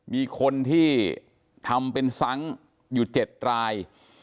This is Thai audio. มีคนที่ทำเป็นซ้ำอยู่๗ราย